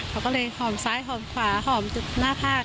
เขาก็เลยหอมซ้ายหอมขวาหอมจุดหน้าภาค